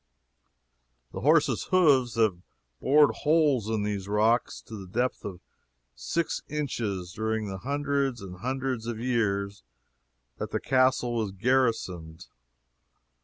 The horses' hoofs have bored holes in these rocks to the depth of six inches during the hundreds and hundreds of years that the castle was garrisoned.